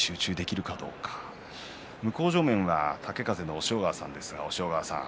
向正面は豪風の押尾川さんです。